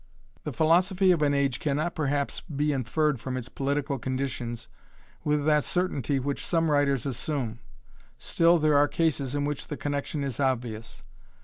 The philosophy of an age cannot perhaps be inferred from its political conditions with that certainty which some writers assume; still there are cases in which the connection is obvious.